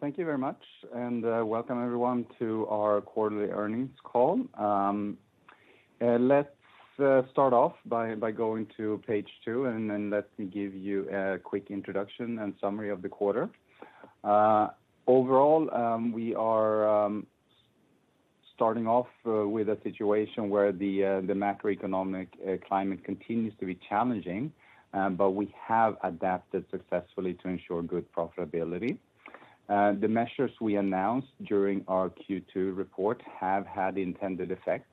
Thank you very much and welcome everyone to our quarterly earnings call. Let's start off by going to page two and then let me give you a quick introduction and summary of the quarter. Overall, we are starting off with a situation where the macroeconomic climate continues to be challenging, but we have adapted successfully to ensure good profitability. The measures we announced during our Q2 report have had intended effects,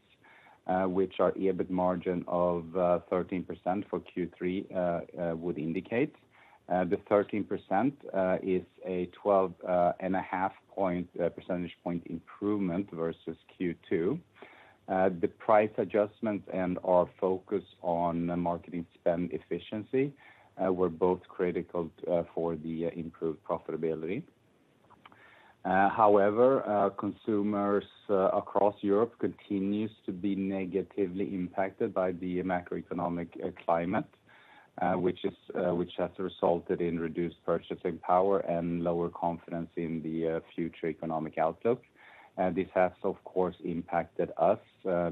which our EBIT margin of 13% for Q3 would indicate. The 13% is a 12.5 percentage point improvement versus Q2. The price adjustments and our focus on marketing spend efficiency were both critical for the improved profitability. However, consumers across Europe continues to be negatively impacted by the macroeconomic climate, which has resulted in reduced purchasing power and lower confidence in the future economic outlook. This has, of course, impacted us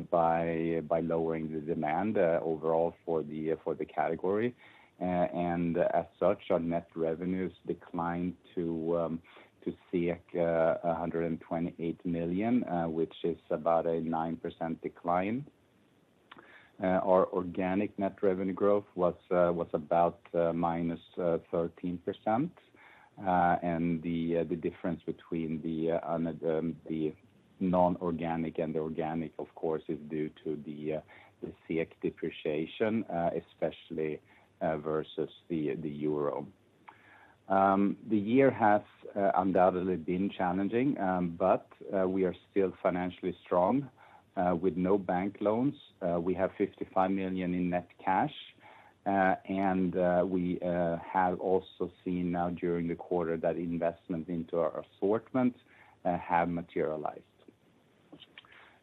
by lowering the demand overall for the category. As such, our net revenues declined to 128 million, which is about a 9% decline. Our organic net revenue growth was about -13%, and the difference between the non-organic and the organic, of course, is due to the SEK depreciation, especially versus the euro. The year has undoubtedly been challenging, but we are still financially strong with no bank loans. We have 55 million in net cash, and we have also seen now during the quarter that investment into our assortments have materialized.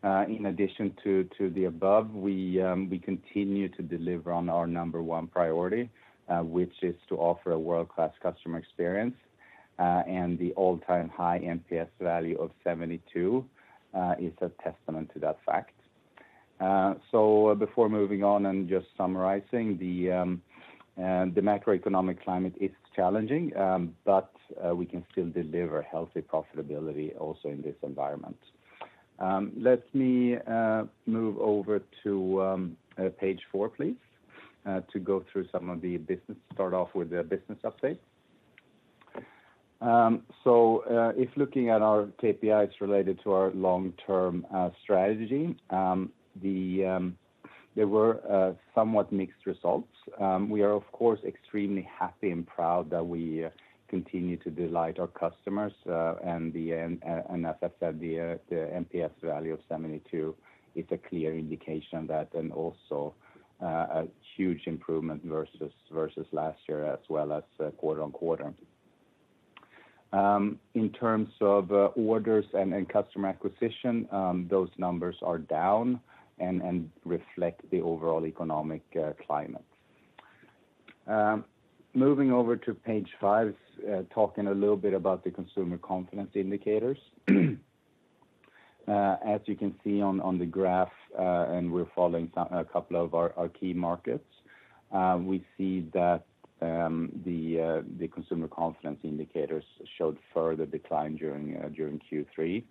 In addition to the above, we continue to deliver on our number one priority, which is to offer a world-class customer experience, and the all-time high NPS value of 72 is a testament to that fact. Before moving on and just summarizing, the macroeconomic climate is challenging, but we can still deliver healthy profitability also in this environment. Let me move over to page four, please, to start off with the business update. If looking at our KPIs related to our long-term strategy, there were somewhat mixed results. We are of course extremely happy and proud that we continue to delight our customers, and as I said, the NPS value of 72 is a clear indication of that and also a huge improvement versus last year as well as quarter-over-quarter. In terms of orders and customer acquisition, those numbers are down and reflect the overall economic climate. Moving over to page five, talking a little bit about the consumer confidence indicators. As you can see on the graph, and we're following a couple of our key markets, we see that the consumer confidence indicators showed further decline during Q3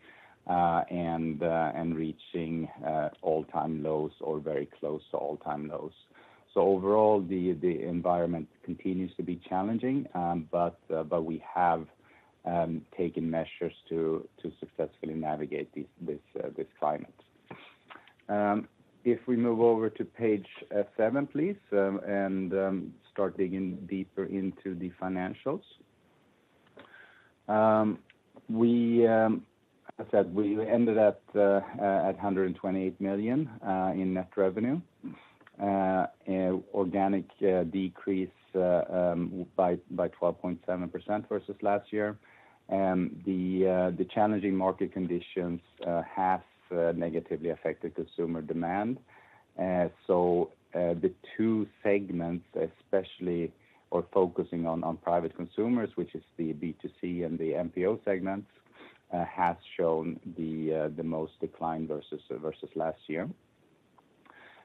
and reaching all-time lows or very close to all-time lows. Overall the environment continues to be challenging, but we have taken measures to successfully navigate this climate. If we move over to page seven, please, and start digging deeper into the financials. As I said, we ended at 128 million in net revenue. Organic decrease by 12.7% versus last year. The challenging market conditions have negatively affected consumer demand. The two segments especially are focusing on private consumers, which is the B2C and the MPO segments, has shown the most decline versus last year.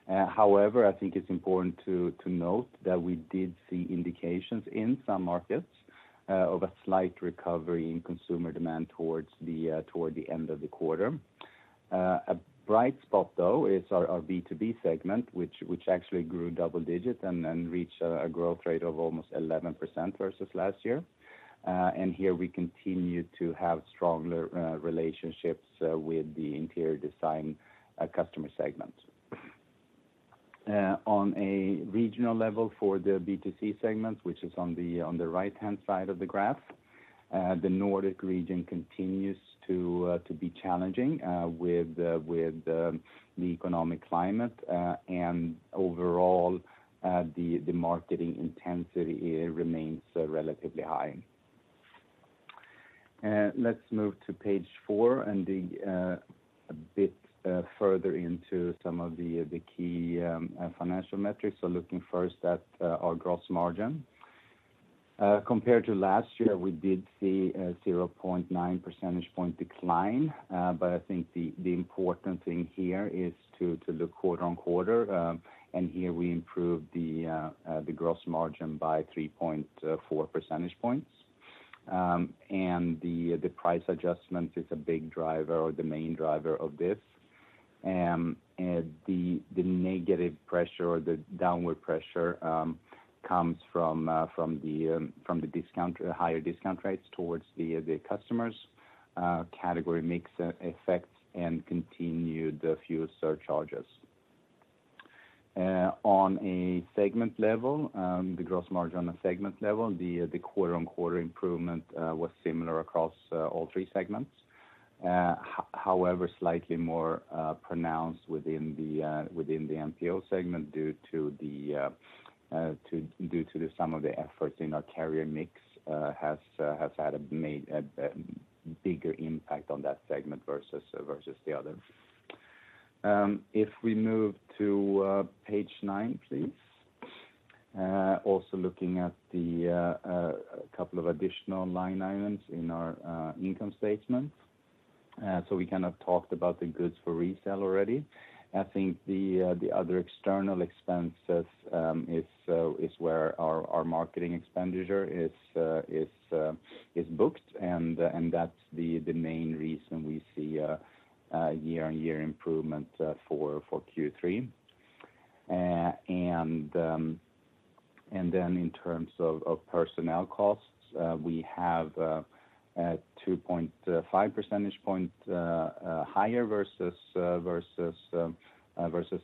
However, I think it's important to note that we did see indications in some markets of a slight recovery in consumer demand toward the end of the quarter. A bright spot, though, is our B2B segment, which actually grew double-digit and reached a growth rate of almost 11% versus last year. Here we continue to have stronger relationships with the interior design customer segment. On a regional level for the B2C segment, which is on the right-hand side of the graph, the Nordic region continues to be challenging with the economic climate, and overall, the marketing intensity remains relatively high. Let's move to page four and a bit further into some of the key financial metrics. Looking first at our gross margin. Compared to last year, we did see a 0.9 percentage point decline, but I think the important thing here is to look quarter-on-quarter. Here we improved the gross margin by 3.4 percentage points. The price adjustment is a big driver or the main driver of this. The negative pressure or the downward pressure comes from the discount, higher discount rates towards the customers, category mix effects and continued fuel surcharges. On a segment level, the gross margin on a segment level, the quarter-on-quarter improvement was similar across all three segments. However, slightly more pronounced within the MPO segment due to some of the efforts in our carrier mix has had a bigger impact on that segment versus the other. If we move to page nine, please. Also looking at a couple of additional line items in our income statement. We kind of talked about the goods for resale already. I think the other external expenses is where our marketing expenditure is booked and that's the main reason we see a year-on-year improvement for Q3. In terms of personnel costs, we have 2.5 percentage point higher versus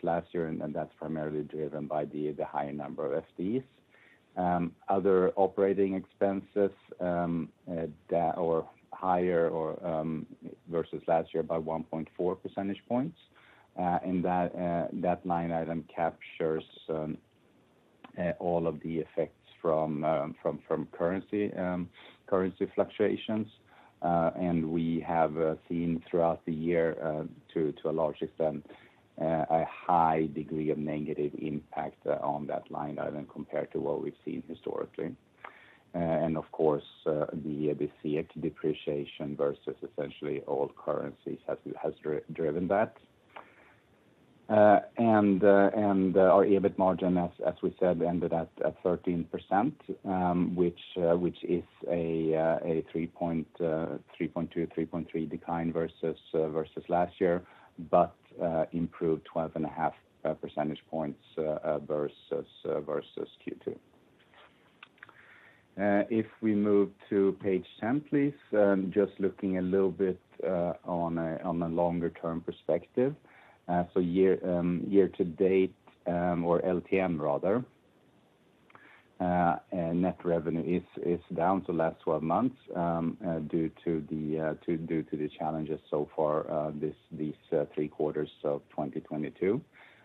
last year, and that's primarily driven by the higher number of FTEs. Other operating expenses higher versus last year by 1.4 percentage points, and that line item captures all of the effects from currency fluctuations. We have seen throughout the year to a large extent a high degree of negative impact on that line item compared to what we've seen historically. Of course, the SEK depreciation versus essentially all currencies has driven that. Our EBIT margin, as we said, ended at 13%, which is a 3.2-3.3 decline versus last year, but improved 12.5 percentage points versus Q2. If we move to page 10, please. Just looking a little bit on a longer-term perspective. Year to date, or LTM rather, net revenue is down. Last twelve months due to the challenges so far, these three quarters of 2022.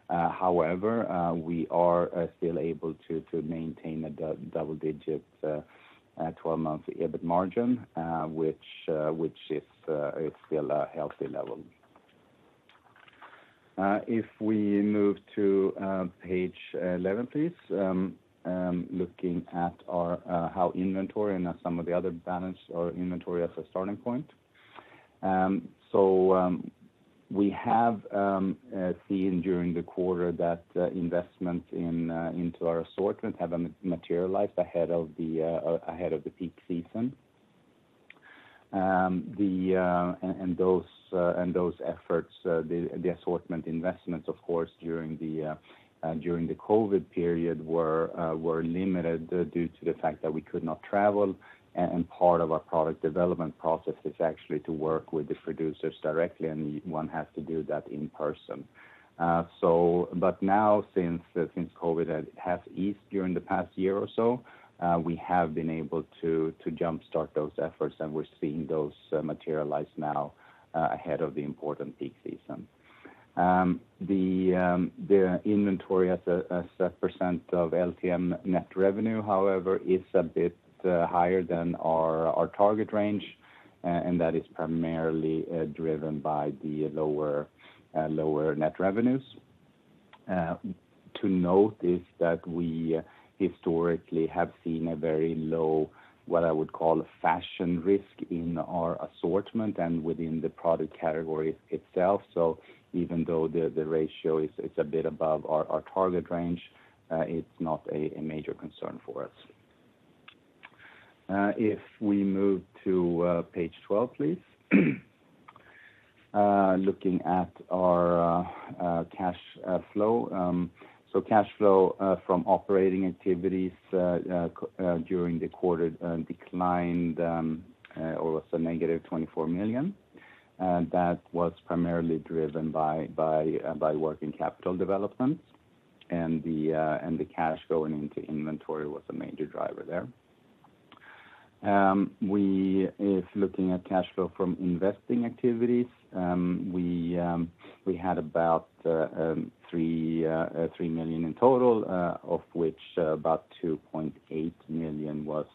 However, we are still able to maintain a double-digit twelve-month EBIT margin, which is still a healthy level. If we move to page 11, please. Looking at our inventory and some of the other balance sheet or inventory as a starting point. We have seen during the quarter that investment into our assortment have materialized ahead of the peak season. Those efforts, the assortment investments, of course, during the COVID period were limited due to the fact that we could not travel and part of our product development process is actually to work with the producers directly, and one has to do that in person. Now since COVID has eased during the past year or so, we have been able to jumpstart those efforts, and we're seeing those materialize now ahead of the important peak season. The inventory as a percent of LTM net revenue, however, is a bit higher than our target range, and that is primarily driven by the lower net revenues. To note is that we historically have seen a very low, what I would call a fashion risk in our assortment and within the product category itself. Even though the ratio is a bit above our target range, it's not a major concern for us. If we move to page 12, please. Looking at our cash flow. Cash flow from operating activities during the quarter declined also-SEK 24 million. That was primarily driven by working capital development and the cash going into inventory was a major driver there. If looking at cash flow from investing activities, we had about 3 million in total, of which about 2.8 million was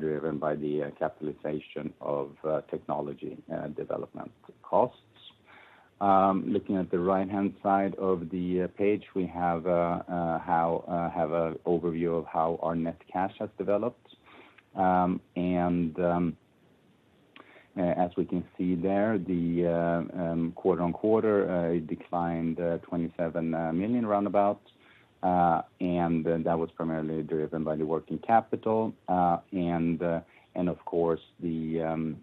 driven by the capitalization of technology development costs. Looking at the right-hand side of the page, we have an overview of how our net cash has developed. As we can see there, quarter-on-quarter, it declined 27 million roundabout. That was primarily driven by the working capital. Of course, the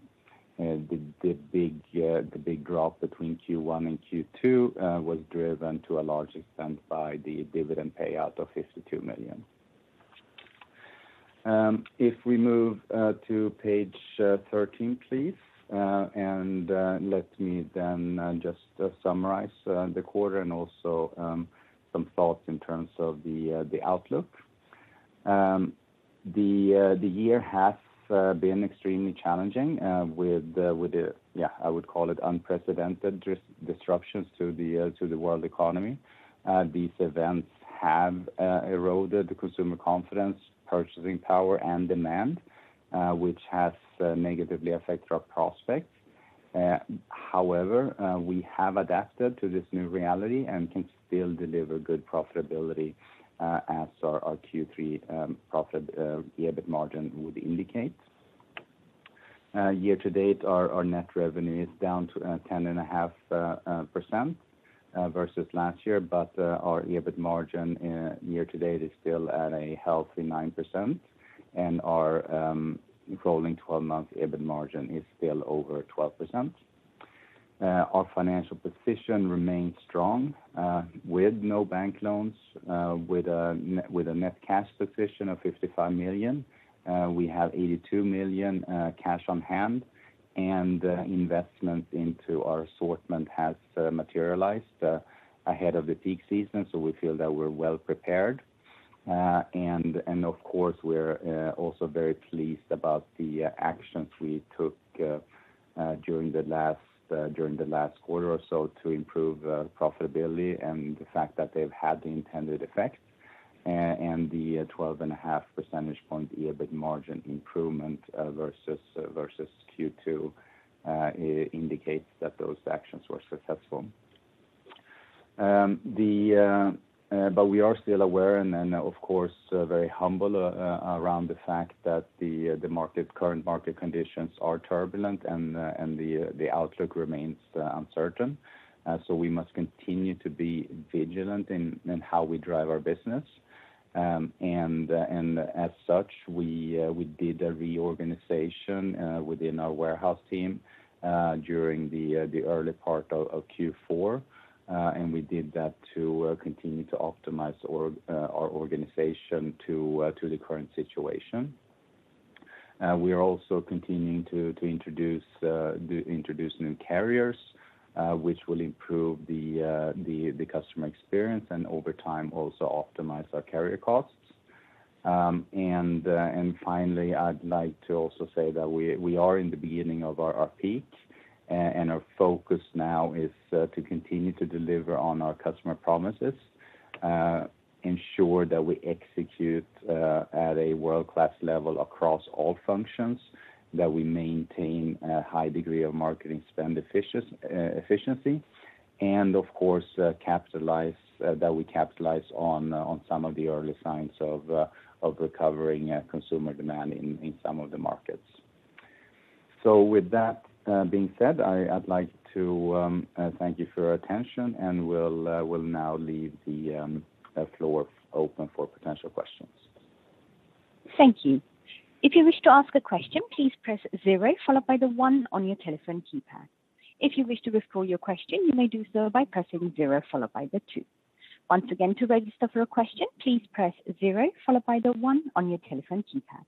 big drop between Q1 and Q2 was driven to a large extent by the dividend payout of 52 million. If we move to page 13, please. Let me then just summarize the quarter and also some thoughts in terms of the outlook. The year has been extremely challenging with the yeah I would call it unprecedented disruptions to the world economy. These events have eroded the consumer confidence, purchasing power and demand, which has negatively affected our prospects. However, we have adapted to this new reality and can still deliver good profitability as our Q3 profit EBIT margin would indicate. Year to date, our net revenue is down to 10.5% versus last year, but our EBIT margin year to date is still at a healthy 9%. Our rolling 12-month EBIT margin is still over 12%. Our financial position remains strong, with no bank loans, with a net cash position of 55 million. We have 82 million cash on hand and investment into our assortment has materialized ahead of the peak season, so we feel that we're well prepared. Of course, we're also very pleased about the actions we took during the last quarter or so to improve profitability and the fact that they've had the intended effect. The 12.5 percentage point EBIT margin improvement versus Q2 indicates that those actions were successful. We are still aware and then of course very humble around the fact that the current market conditions are turbulent and the outlook remains uncertain. We must continue to be vigilant in how we drive our business. As such, we did a reorganization within our warehouse team during the early part of Q4. We did that to continue to optimize our organization to the current situation. We are also continuing to introduce new carriers, which will improve the customer experience and over time also optimize our carrier costs. Finally, I'd like to also say that we are in the beginning of our peak, and our focus now is to continue to deliver on our customer promises, ensure that we execute at a world-class level across all functions, that we maintain a high degree of marketing spend efficiency, and of course capitalize on some of the early signs of recovering consumer demand in some of the markets. With that being said, I'd like to thank you for your attention, and we'll now leave the floor open for potential questions. Thank you. If you wish to ask a question, please press zero followed by the one on your telephone keypad. If you wish to withdraw your question, you may do so by pressing zero followed by the two. Once again, to register for a question, please press zero followed by the one on your telephone keypad.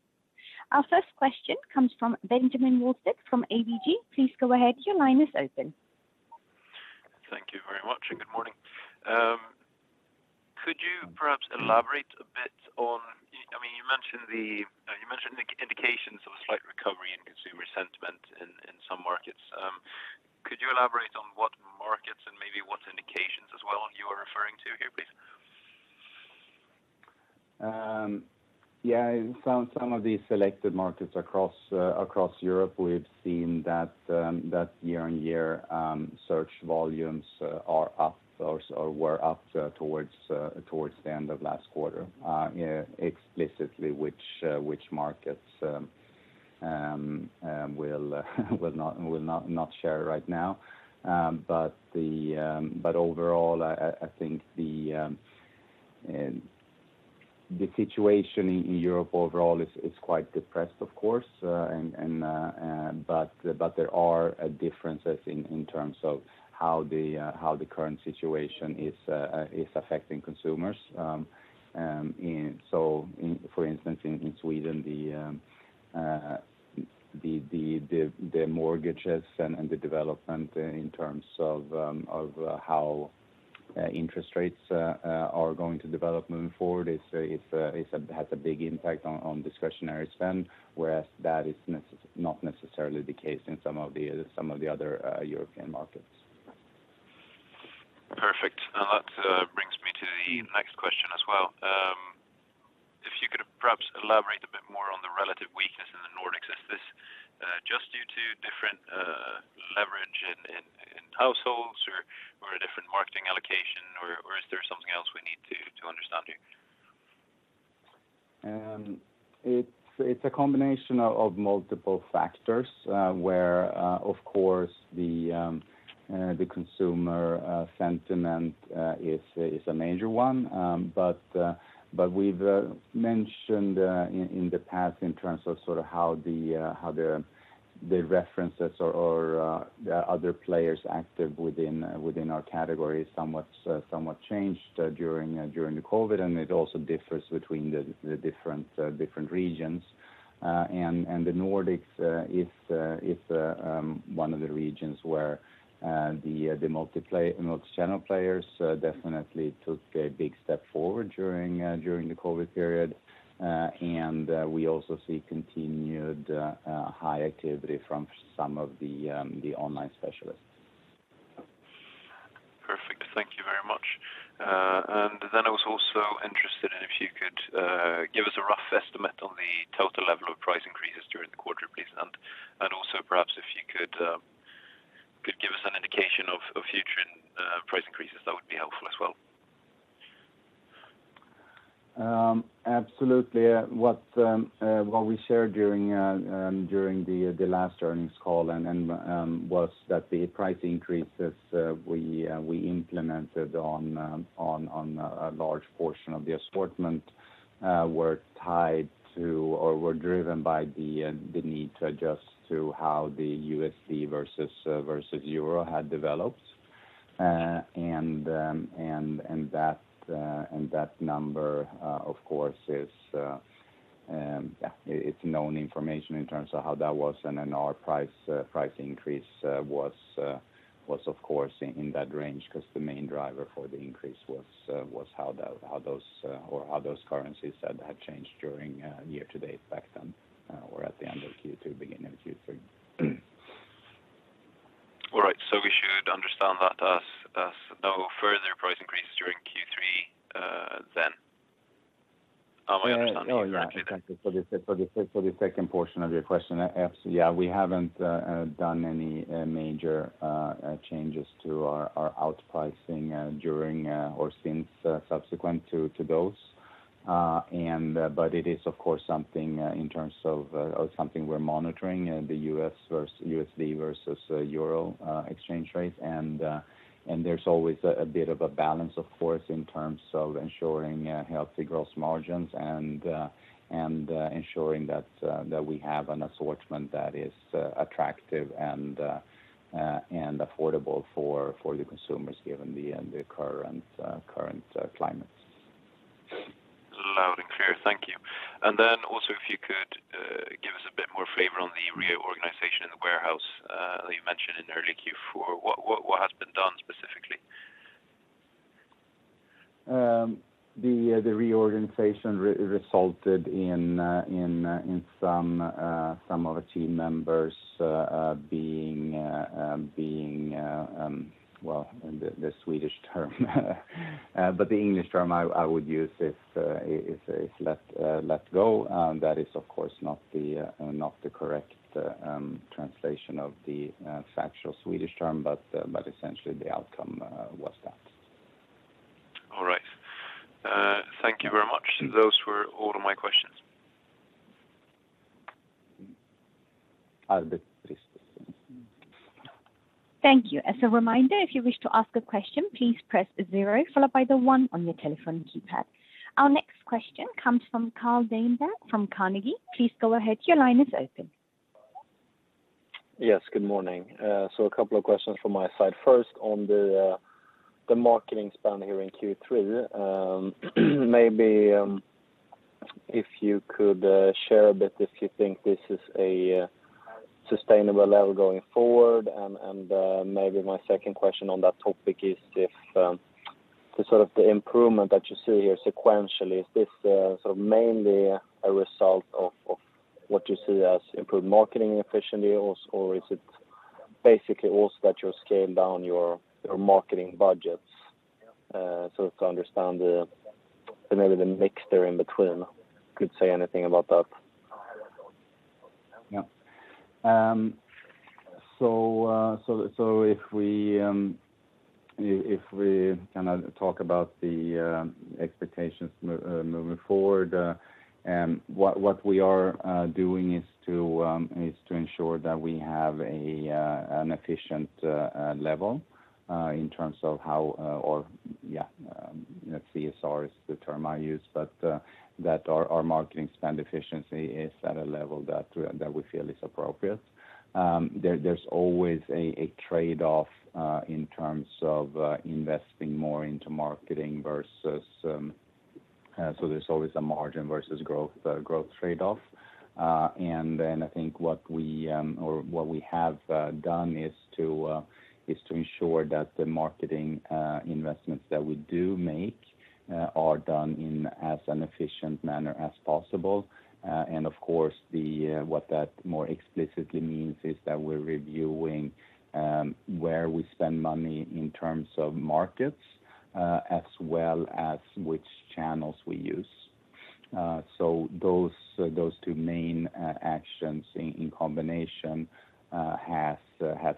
Our first question comes from Benjamin Wahlstedt from ABG. Please go ahead. Your line is open. Thank you very much, and good morning. Could you perhaps elaborate a bit on, I mean, you mentioned the indications of a slight recovery in consumer sentiment in some markets? Could you elaborate on what markets and maybe what indications as well you are referring to here, please? Yeah, in some of the selected markets across Europe, we've seen that year-over-year search volumes are up or were up towards the end of last quarter. Yeah, explicitly which markets we will not share right now. Overall, I think the situation in Europe overall is quite depressed, of course. There are differences in terms of how the current situation is affecting consumers. For instance, in Sweden, the mortgages and the development in terms of how interest rates are going to develop moving forward has a big impact on discretionary spend, whereas that is not necessarily the case in some of the other European markets. That brings me to the next question as well. If you could perhaps elaborate a bit more on the relative weakness in the Nordics. Is this just due to different leverage in households or a different marketing allocation or is there something else we need to understand here? It's a combination of multiple factors, where of course the consumer sentiment is a major one. But we've mentioned in the past in terms of sort of how the references or the other players active within our category somewhat changed during the COVID. It also differs between the different regions. The Nordics is one of the regions where the multi-channel players definitely took a big step forward during the COVID period. We also see continued high activity from some of the online specialists. Perfect. Thank you very much. I was also interested in if you could give us a rough estimate on the total level of price increases during the quarter, please? Also perhaps if you could give us an indication of future price increases, that would be helpful as well. Absolutely. What we shared during the last earnings call was that the price increases we implemented on a large portion of the assortment were tied to or were driven by the need to adjust to how the USD versus euro had developed. That number of course is known information in terms of how that was and then our price increase was of course in that range because the main driver for the increase was how those currencies had changed during year to date back then or at the end of Q2, beginning of Q3. All right. We should understand that as no further price increases during Q3, then? Am I understanding that correctly? Oh, yeah. Thank you for the second portion of your question. Yeah. We haven't done any major changes to our pricing during or since subsequent to those. It is of course something in terms of or something we're monitoring, the USD versus euro exchange rates. There's always a bit of a balance of course in terms of ensuring healthy gross margins and ensuring that we have an assortment that is attractive and affordable for the consumers given the current climate. Loud and clear. Thank you. If you could give us a bit more flavor on the reorganization in the warehouse that you mentioned in early Q4. What has been done specifically? The reorganization resulted in some of the team members being well, the Swedish term. But the English term I would use is let go. That is of course not the correct translation of the factual Swedish term. Essentially the outcome was that. All right. Thank you very much. Those were all of my questions. Thank you. As a reminder, if you wish to ask a question, please press zero followed by the one on your telephone keypad. Our next question comes from Carl Deijenberg from Carnegie. Please go ahead, your line is open. Yes, good morning. A couple of questions from my side. First, on the marketing spend here in Q3. Maybe if you could share a bit if you think this is a sustainable level going forward. Maybe my second question on that topic is if the sort of improvement that you see here sequentially is this sort of mainly a result of what you see as improved marketing efficiency or is it basically also that you're scaling down your marketing budgets. To understand maybe the mixture in between. Could you say anything about that? Yeah. If we kinda talk about the expectations moving forward, what we are doing is to ensure that we have an efficient level in terms of how COS is the term I use, but that our marketing spend efficiency is at a level that we feel is appropriate. There's always a trade-off in terms of investing more into marketing versus. There's always a margin versus growth trade-off. I think what we have done is to ensure that the marketing investments that we do make are done in as an efficient manner as possible. Of course, what that more explicitly means is that we're reviewing where we spend money in terms of markets, as well as which channels we use. Those two main actions in combination has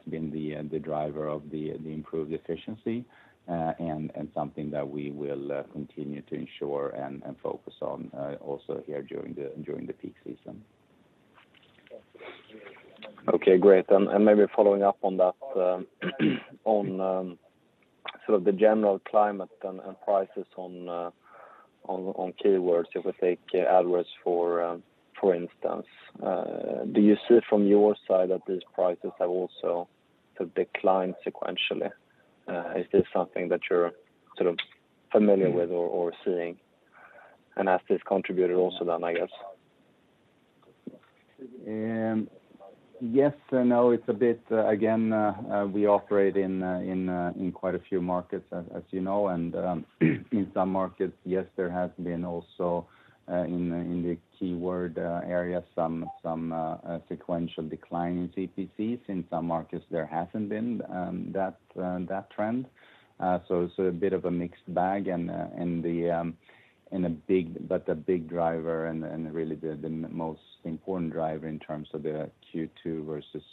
been the driver of the improved efficiency, and something that we will continue to ensure and focus on, also here during the peak season. Okay, great. Maybe following up on that, on sort of the general climate and prices on keywords, if we take AdWords for instance. Do you see it from your side that these prices have also sort of declined sequentially? Is this something that you're sort of familiar with or seeing? Has this contributed also then, I guess? Yes and no. It's a bit again, we operate in quite a few markets as you know. In some markets, yes, there has been also in the keyword area some sequential decline in CPCs. In some markets there hasn't been that trend. A bit of a mixed bag, but a big driver and really the most important driver in terms of the Q2 versus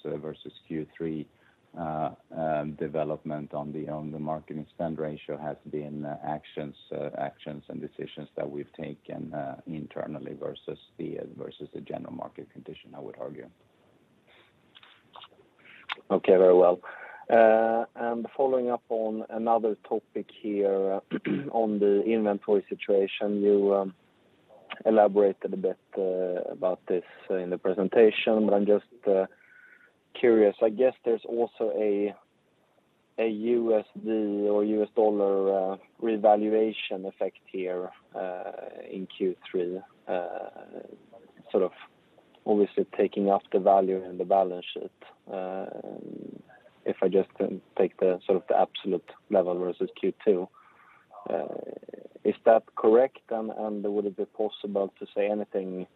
Q3 development on the marketing spend ratio has been actions and decisions that we've taken internally versus the general market condition, I would argue. Okay. Very well. Following up on another topic here on the inventory situation, you elaborated a bit about this in the presentation, but I'm just curious. I guess there's also a USD or U.S. dollar revaluation effect here in Q3, sort of obviously taking up the value in the balance sheet, if I just take sort of the absolute level versus Q2. Is that correct? Would it be possible to say anything,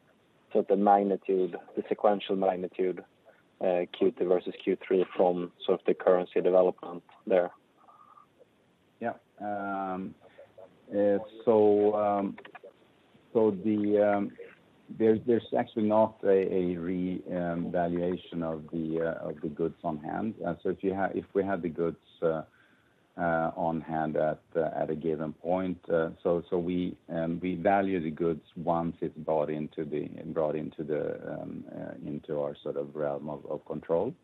sort of the magnitude, the sequential magnitude, Q2 versus Q3 from sort of the currency development there? Yeah. There's actually not a revaluation of the goods on hand. If we had the goods on hand at a given point, we value the goods once it's brought into our sort of realm of control.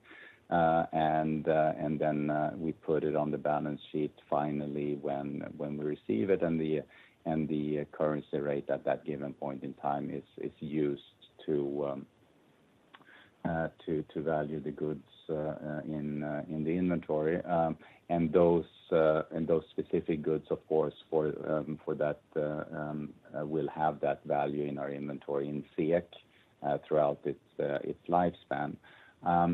We put it on the balance sheet finally when we receive it. The currency rate at that given point in time is used to value the goods in the inventory. Those specific goods, of course, for that, will have that value in our inventory in SEK throughout its lifespan.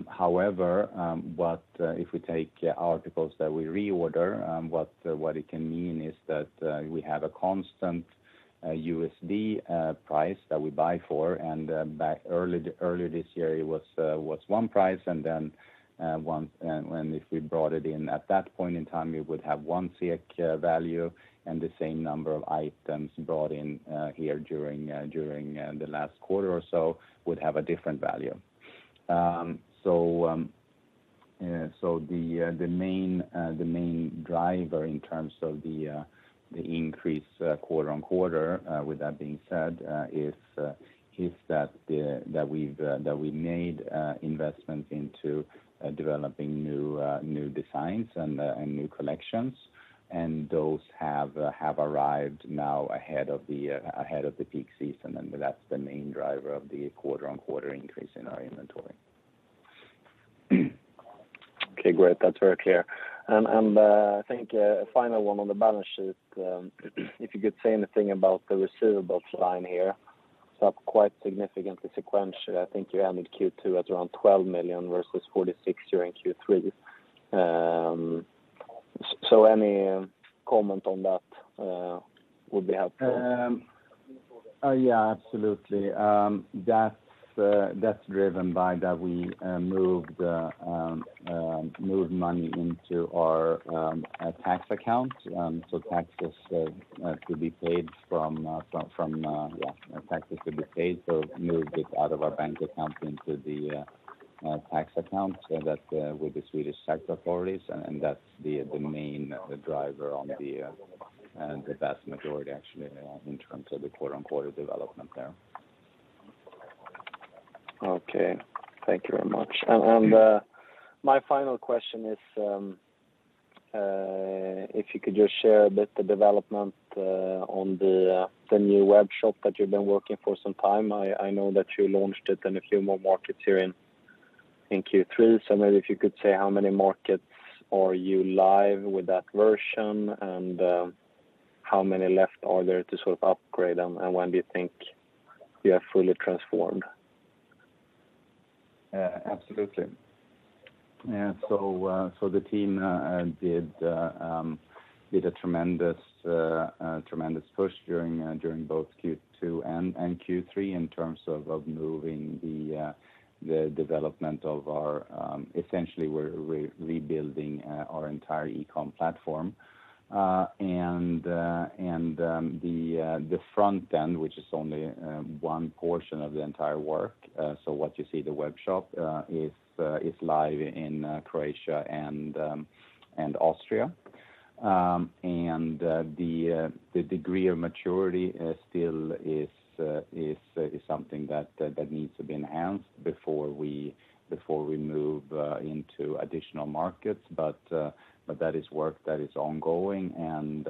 However, what if we take articles that we reorder, what it can mean is that we have a constant USD price that we buy for, and back earlier this year it was one price, and then if we brought it in at that point in time, it would have one SEK value, and the same number of items brought in here during the last quarter or so would have a different value. The main driver in terms of the increase quarter-on-quarter, with that being said, is that we've made investments into developing new designs and new collections, and those have arrived now ahead of the peak season, and that's the main driver of the quarter-on-quarter increase in our inventory. Okay, great. That's very clear. I think a final one on the balance sheet, if you could say anything about the receivables line here. It's up quite significantly sequentially. I think you ended Q2 at around 12 million versus 46 million during Q3. So any comment on that would be helpful. Yeah, absolutely. That's driven by that we moved money into our tax account. Taxes to be paid, so moved it out of our bank account into the tax account that with the Swedish tax authorities, and that's the main driver on the vast majority actually in terms of the quarter-on-quarter development there. Okay. Thank you very much. Mm-hmm. My final question is, if you could just share a bit the development on the new webshop that you've been working for some time. I know that you launched it in a few more markets here in Q3. Maybe if you could say how many markets are you live with that version, and how many left are there to sort of upgrade them, and when do you think you are fully transformed? Absolutely. Yeah. The team did a tremendous push during both Q2 and Q3 in terms of moving the development of our essentially we're rebuilding our entire e-com platform. The front end, which is only one portion of the entire work. What you see the webshop is live in Croatia and Austria. The degree of maturity still is something that needs to be enhanced before we move into additional markets. That is work that is ongoing and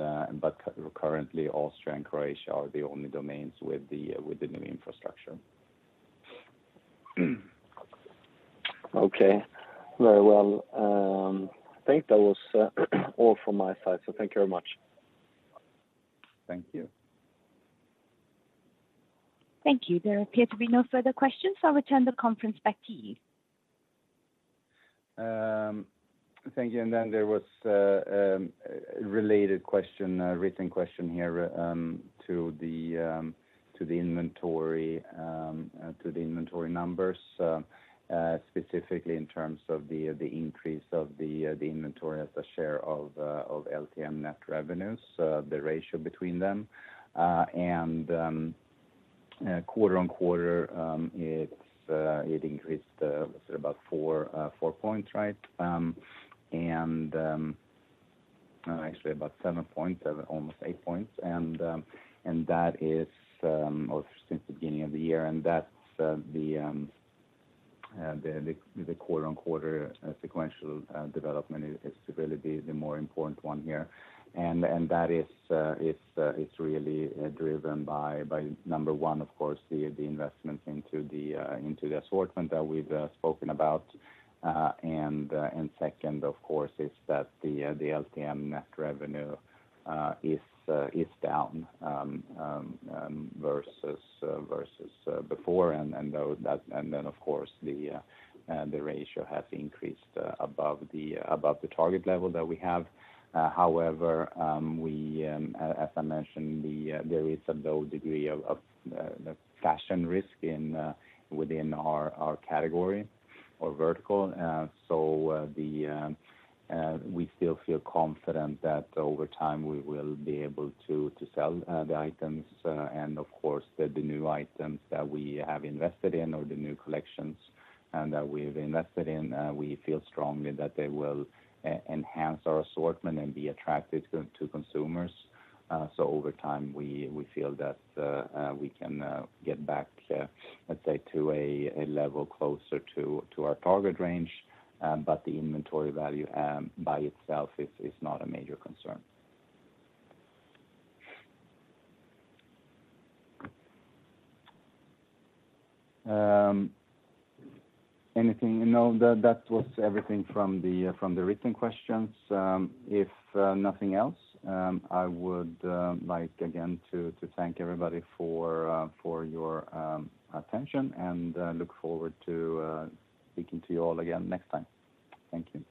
currently, Austria and Croatia are the only domains with the new infrastructure. Okay. Very well. I think that was all from my side, so thank you very much. Thank you. Thank you. There appear to be no further questions, so I'll return the conference back to you. Thank you. There was a related question, a written question here to the inventory numbers, specifically in terms of the increase of the inventory as a share of LTM net revenues, the ratio between them. Quarter-on-quarter, it increased, was it about four points, right? No, actually about seven points or almost eight points. That is or since the beginning of the year, and that's the quarter-on-quarter sequential development is really the more important one here. That is really driven by number one, of course, the investment into the assortment that we've spoken about. Second, of course, is that the LTM net revenue is down versus before. Though that, and then of course the ratio has increased above the target level that we have. However, as I mentioned, there is a low degree of fashion risk within our category or vertical. We still feel confident that over time we will be able to sell the items. Of course, the new items that we have invested in or the new collections, and that we've invested in, we feel strongly that they will enhance our assortment and be attractive to consumers. Over time, we feel that we can get back, let's say to a level closer to our target range. The inventory value by itself is not a major concern. Anything? No, that was everything from the written questions. If nothing else, I would like again to thank everybody for your attention and look forward to speaking to you all again next time. Thank you.